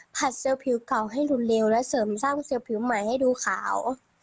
เสื้อผิวเก่าให้รุนแรงและเสริมสร้างเสือผิวใหม่ให้ดูขาว